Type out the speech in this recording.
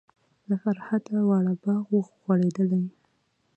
له فرحته واړه باغ و غوړیدلی.